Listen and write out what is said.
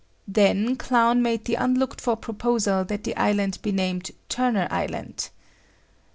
Then Clown made the unlooked for proposal that the island be named Turner Island.